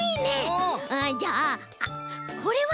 うんじゃああっこれは？